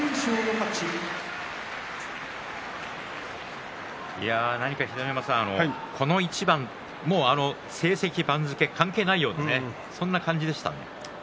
拍手秀ノ山さん、何かこの一番もう成績、番付関係ないようなそんな感じでした。